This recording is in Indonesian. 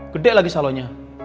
gede lagi salonnya